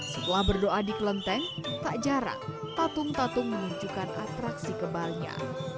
setelah berdoa di kelenteng tak jarang tatung tatung menunjukkan atraksi kebalnya